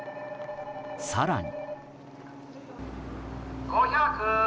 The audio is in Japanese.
更に。